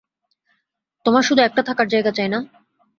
তোমার শুধু একটা থাকার জায়গা চাই, না?